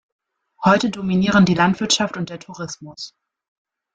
Heute dominieren die Landwirtschaft und der Tourismus.